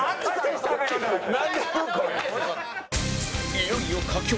いよいよ佳境